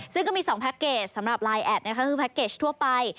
ซึ่งก็มี๒แพ็คเกจสำหรับไลน์แอดนะคะคือแพ็คเกจทั่วไป